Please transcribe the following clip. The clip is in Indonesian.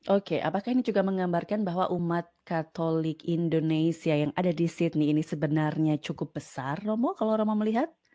oke apakah ini juga menggambarkan bahwa umat katolik indonesia yang ada di sydney ini sebenarnya cukup besar romo kalau romo melihat